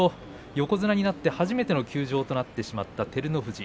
横綱になって初めての休場となってしまった照ノ富士。